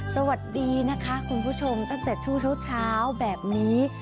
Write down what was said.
สวัสดีนะคะคุณผู้ชมตั้งแต่ช่วงเช้าแบบนี้